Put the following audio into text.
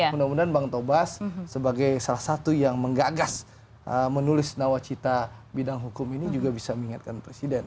mudah mudahan bang tobas sebagai salah satu yang menggagas menulis nawacita bidang hukum ini juga bisa mengingatkan presiden